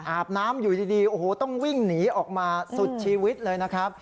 อาบน้ำอยู่ดีโอ้โหต้องวิ่งหนีออกมาสุดชีวิตเลยนะครับ